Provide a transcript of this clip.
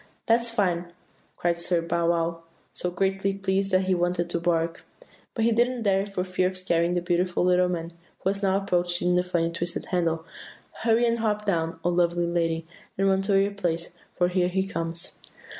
"'That's fine!' cried Sir Bow wow, so greatly pleased that he wanted to bark; but he didn't dare for fear of scaring the beautiful little man who was now approaching the funny twisted handle. 'Hurry and hop down, O lovely lady, and run to your place, for here he comes!